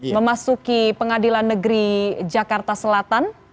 memasuki pengadilan negeri jakarta selatan